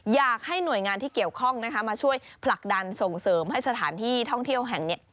อยากให้หน่วยงานที่เกี่ยวข้องนะคะมาช่วยผลักดันส่งเสริมให้สถานที่ท่องเที่ยวแห่งนี้